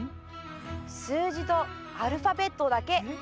数字とアルファベットだけ。